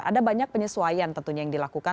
ada banyak penyesuaian tentunya yang dilakukan